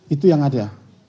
itu yang ada